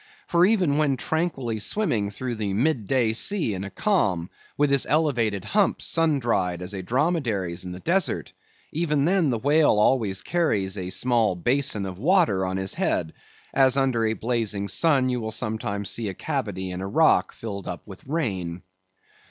For even when tranquilly swimming through the mid day sea in a calm, with his elevated hump sun dried as a dromedary's in the desert; even then, the whale always carries a small basin of water on his head, as under a blazing sun you will sometimes see a cavity in a rock filled up with rain.